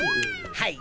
はい！